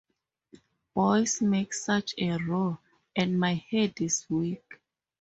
Boys make such a row, and my head is weak.